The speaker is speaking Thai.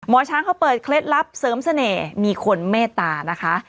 ช้างเขาเปิดเคล็ดลับเสริมเสน่ห์มีคนเมตตานะคะ